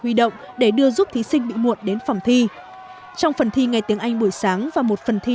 huy động để đưa giúp thí sinh bị muộn đến phòng thi trong phần thi ngày tiếng anh buổi sáng và